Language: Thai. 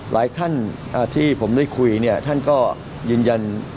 หลายท่านที่ผมได้คุยเนี่ยท่านก็ยืนยัน